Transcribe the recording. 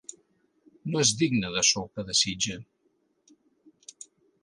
No és digne de ço que desitja.